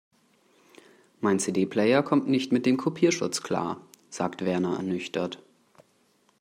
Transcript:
Mein CD-Player kommt nicht mit dem Kopierschutz klar, sagt Werner ernüchtert.